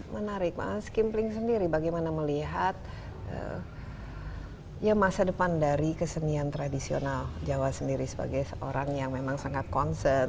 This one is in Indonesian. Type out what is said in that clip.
menarik mas kimpling sendiri bagaimana melihat masa depan dari kesenian tradisional jawa sendiri sebagai seorang yang memang sangat concern